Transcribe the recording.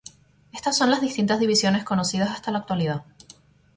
Estas son las distintas divisiones conocidas hasta la actualidad.